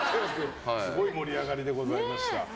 すごい盛り上がりでございました。